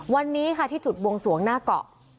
วันนี้ค่ะที่จุดบวงสวงหน้าเกาะ